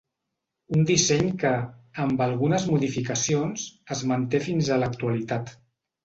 Un disseny que, amb algunes modificacions, es manté fins a l'actualitat.